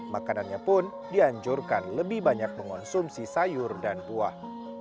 makanannya pun dianjurkan lebih banyak mengonsumsi sayur dan buah